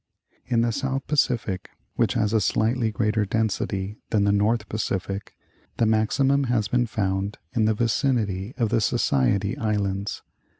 In the South Pacific, which has a slightly greater density than the North Pacific, the maximum has been found in the vicinity of the Society Islands.